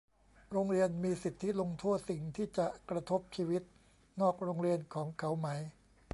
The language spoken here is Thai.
โรงเรียนมีสิทธิลงโทษสิ่งที่จะกระทบชีวิตนอกโรงเรียนของเขาไหม ?